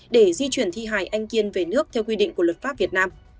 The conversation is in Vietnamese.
để di chuyển thi hài anh kiên về nước theo quy định của luật pháp việt nam